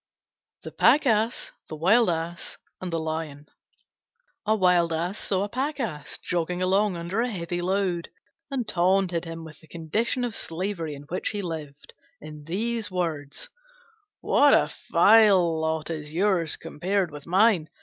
THE PACK ASS, THE WILD ASS, AND THE LION A Wild Ass saw a Pack Ass jogging along under a heavy load, and taunted him with the condition of slavery in which he lived, in these words: "What a vile lot is yours compared with mine!